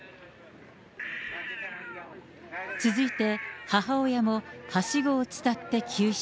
続いて、母親もはしごを伝って救出。